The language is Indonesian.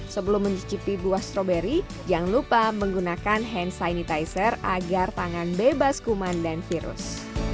sebelum mencicipi buah stroberi jangan lupa menggunakan hand sanitizer agar tangan bebas kuman dan virus